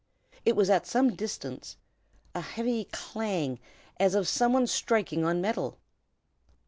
It was at some distance, a heavy clang, as of some one striking on metal.